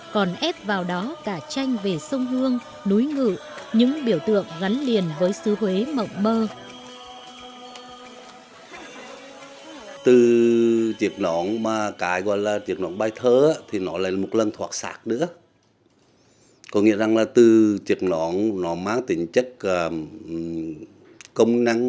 cả tranh về sông hương núi ngự những biểu tượng gắn liền với xứ huế mộng mơ